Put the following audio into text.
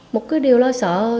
một cái điều lo sợ của mình là